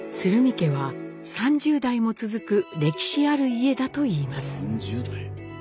家は３０代も続く歴史ある家だといいます。